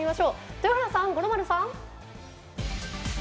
豊原さん、五郎丸さん。